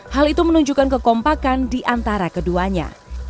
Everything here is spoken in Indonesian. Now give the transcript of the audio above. hal itu menunjukkan kekompakan di antara keduanya